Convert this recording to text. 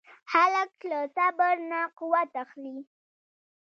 هلک له صبر نه قوت اخلي.